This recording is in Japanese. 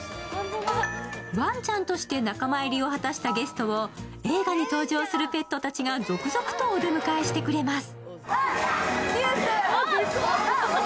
ワンちゃんとして仲間入りを果たしたゲストを映画に登場するペットたちが続々とお出迎えしてくれます。